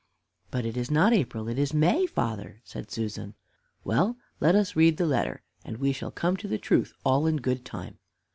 "But it is not April, it is May, father," said Susan. "Well, let us read the letter, and we shall come to the truth all in good time."